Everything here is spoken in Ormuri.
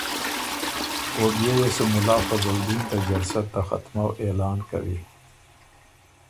او بيې يې سو ملا فضل دین ته جلسه ته ختُمکؤ اعلان کوی۔